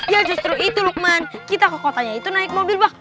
ya justru itu lukman kita ke kotanya itu naik mobil pak